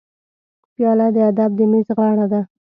پیاله د ادب د میز غاړه ده.